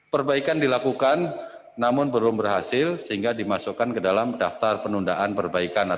perbaikan dilakukan namun belum berhasil sehingga dimasukkan ke dalam daftar deferred maintenance item